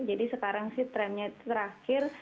jadi sekarang sih tramnya terakhir